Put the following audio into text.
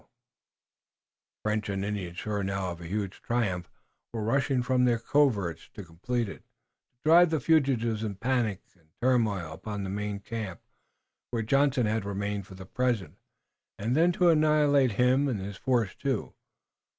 The French and Indians, sure now of a huge triumph, were rushing from their coverts to complete it, to drive the fugitives in panic and turmoil upon the main camp, where Johnson had remained for the present, and then to annihilate him and his force too.